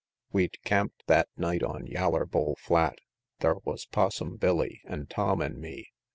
I. We'd camp'd that night on Yaller Bull Flat Thar was Possum Billy, an' Tom, an' me.